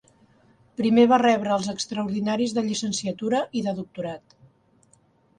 Primer va rebre els extraordinaris de llicenciatura i de doctorat.